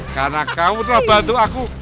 karena kamu toh bantu aku